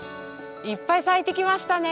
いっぱい咲いてきましたね。